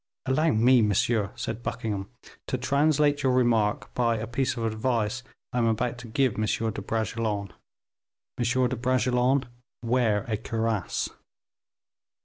"Allow me, monsieur," said Buckingham, "to translate your remark by a piece of advice I am about to give M. de Bragelonne; M. de Bragelonne, wear a cuirass."